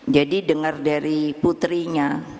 jadi dengar dari putrinya